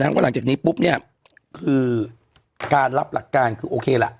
เพราะหลังจากนี้ปุ๊บเนี่ยคือการรับหลักการคือโอเคล่ะ